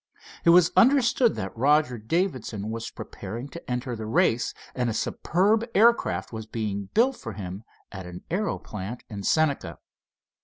It was understood that Roger Davidson was preparing to enter the race, and a superb aircraft was being built for him at an aero plant at Senca.